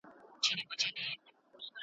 کارپوهان لا هم څېړنې کوي.